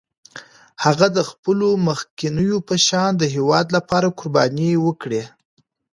هغه د خپلو مخکینو په شان د هېواد لپاره قربانۍ وکړې.